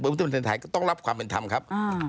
แต่พระพุทธมันธรรมดาไทยก็ต้องรับความเป็นธรรมครับ